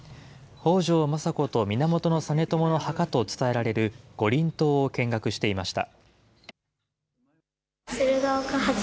北条政子と源実朝の墓と伝えられる五輪塔を見学していました。